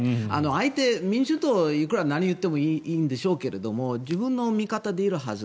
相手、民主党にいくら何を言ってもいいんでしょうが自分の味方でいるはず。